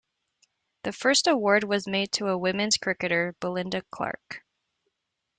The first award was made to a women's cricketer, Belinda Clark.